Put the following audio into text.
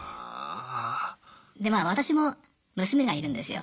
でまあ私も娘がいるんですよ。